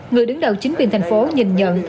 người đứng đầu chính quyền thành phố nhìn nhận